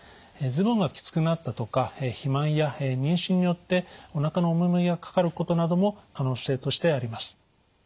ズボンがきつくなったとか肥満や妊娠によっておなかの重みがかかることなども可能性としてあります。